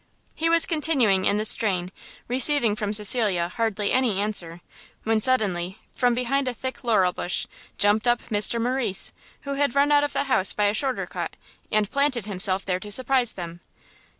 He was continuing in this strain, receiving from Cecilia hardly any answer, when suddenly from behind a thick laurel bush, jumpt up Mr Morrice; who had run out of the house by a shorter cut, and planted himself there to surprise them.